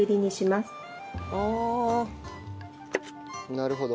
なるほど。